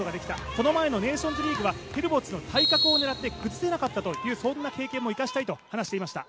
この前のネーションズリーグはヘルボッツの体格を狙って崩せなかったというそんな経験も生かしたいと話していました。